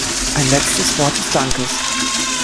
Ein letztes Wort des Dankes.